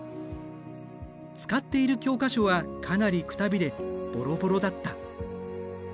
使っている教科書はかなりくたびれぼろぼろだった。